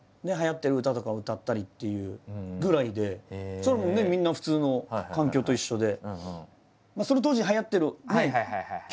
それはもうねみんな普通の環境と一緒で。